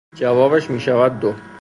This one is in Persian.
جوابش میشود دو.